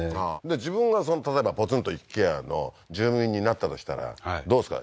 自分が例えばポツンと一軒家の住民になったとしたらどうですか？